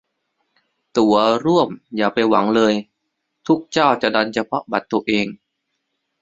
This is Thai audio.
ตั๋วร่วมอย่าไปหวังเลย ทุกเจ้าจะดันเฉพาะบัตรตัวเอง